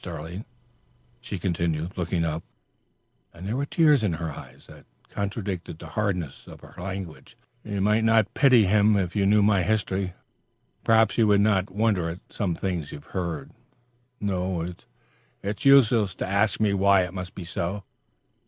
Sterling," she continued, looking up; and there were tears in her eyes that contradicted the hardness of her language, "you might not pity him if you knew my history; perhaps you would not wonder at some things you hear. No; it is useless to ask me why it must be so.